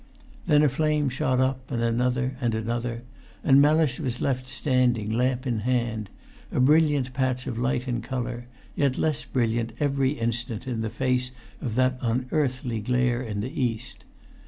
Then a flame shot upwards, and another, and another; and Mellis was left standing, lamp in hand, a brilliant patch of light and colour, yet less brilliant every instant in the face of that unearthly glare in the east.